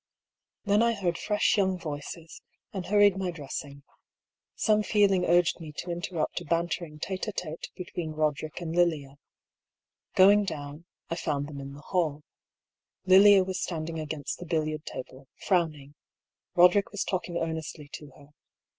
Then I heard fresh young voices, and hurried my dressing. Some feeling urged me to interrupt a banter ing Ute a tete between Eoderick and Lilia. Going down, 48 I>R. PAULL'S THEORY. I foand them in the hall : Lilia was standing against the billiard table, frowning ; Eoderick was talking earnestly to her.